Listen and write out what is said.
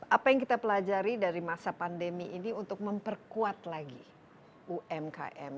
apa yang kita pelajari dari masa pandemi ini untuk memperkuat lagi umkm